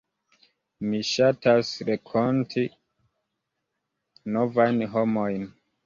Mi ŝatasrenkonti novajn homojn.